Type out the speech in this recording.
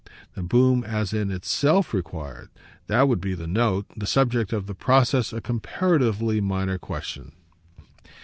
The boom as in ITSELF required that would be the note; the subject of the process a comparatively minor question.